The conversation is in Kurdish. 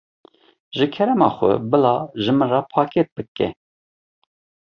Ji kerema xwe bila ji min re pakêt bike.